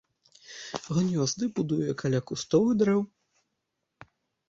Гнёзды будуе каля кустоў і дрэў.